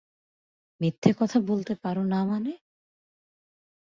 মিথ্য কথা বলতে পার না মানে?